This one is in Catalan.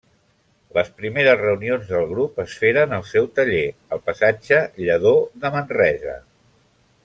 Les primeres reunions del grup es feren al seu taller, al passatge Lladó de Manresa.